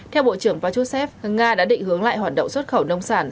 theo bộ trưởng pachusev nga đã định hướng lại hoạt động xuất khẩu nông sản